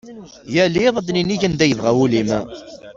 Yal iḍ ad ninig anda yebɣa wul-im.